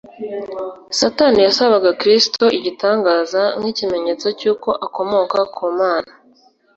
Satani yasabaga Kristo igitangaza nk’ikimenyetso cy’uko akomoka ku Mana